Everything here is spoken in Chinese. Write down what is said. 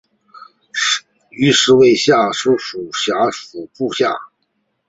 于兹为下邳相笮融部下。